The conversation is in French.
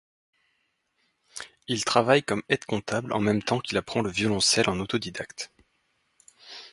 Il travaille comme aide-comptable en même temps qu'il apprend le violoncelle en autodidacte.